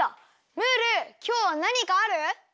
ムールきょうはなにかある？